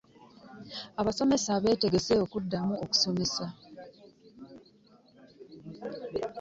Abasomesa betegese okuddamu okusomesa.